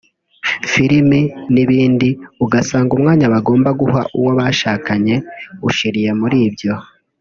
filimi n’ibindi ugasanga umwanya bagomba guha uwo bashakanye ushiriye muri ibyo